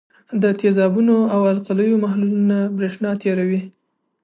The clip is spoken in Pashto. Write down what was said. د تیزابونو او القلیو محلولونه برېښنا تیروي.